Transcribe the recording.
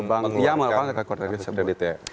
bank yang mengeluarkan kartu kredit